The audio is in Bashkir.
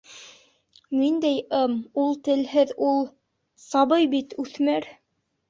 — Ниндәй ым, ул телһеҙ, ул... сабый бит, үҫмер.